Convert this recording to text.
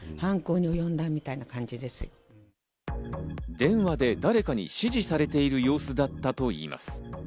電話で誰かに指示されている様子だったといいます。